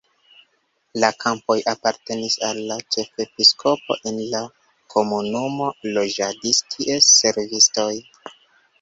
La kampoj apartenis al la ĉefepiskopo, en la komunumo loĝadis ties servistoj.